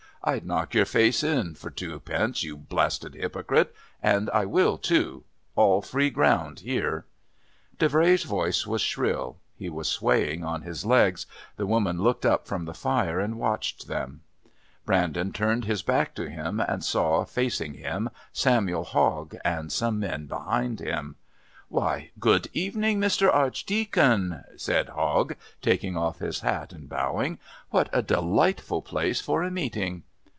I'd knock your face in for two pence, you blasted hypocrite. And I will too. All free ground here." Davray's voice was shrill. He was swaying on his legs. The woman looked up from the fire and watched them. Brandon turned his back to him and saw, facing him, Samuel Hogg and some men behind him. "Why, good evening, Mr. Archdeacon," said Hogg, taking off his hat and bowing. "What a delightful place for a meeting!"